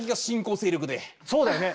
そうだよね。